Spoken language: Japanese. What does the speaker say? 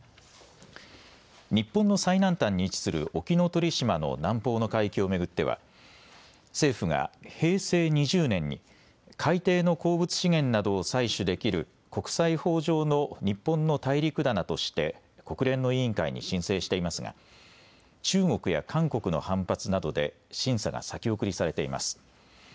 日本の最南端に位置する沖ノ鳥島の南方の海域を巡っては政府が平成２０年に海底の鉱物資源などを採取できる国際法上の日本の大陸棚として国連の委員会に申請していますが中国や韓国の反発などで審査が先送りされています。